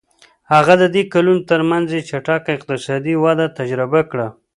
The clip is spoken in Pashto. هغه د دې کلونو ترمنځ یې چټکه اقتصادي وده تجربه کړه.